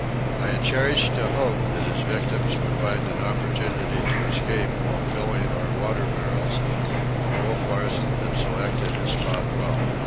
I had cherished a hope that his victims would find an opportunity to escape while filling our water barrels, but Wolf Larsen had selected his spot well.